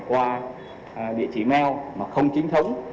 qua địa chỉ mail mà không chính thống